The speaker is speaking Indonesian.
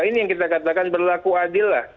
ini yang kita katakan berlaku adil lah